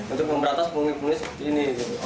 untuk memberatas pengumum pengumumnya seperti ini